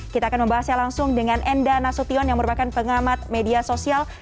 kita akan membahasnya langsung dengan enda nasution yang merupakan pengamat media sosial